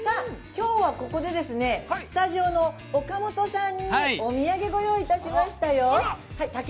きょうはここで、スタジオの岡本さんにお土産をご用意いたしましたよ。